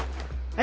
え！？